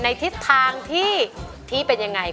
คุณแม่รู้สึกยังไงในตัวของกุ้งอิงบ้าง